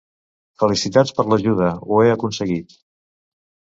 Felicitats per l'ajuda, ho he aconseguit!